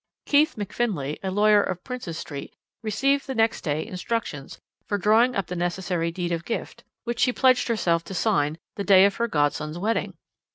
Keith Macfinlay, a lawyer of Prince's Street, received the next day instructions for drawing up the necessary deed of gift, which she pledged herself to sign the day of her godson's wedding.